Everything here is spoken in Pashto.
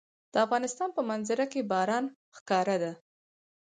د افغانستان په منظره کې باران ښکاره ده.